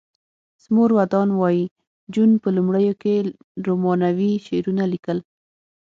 سمور ودان وایی جون په لومړیو کې رومانوي شعرونه لیکل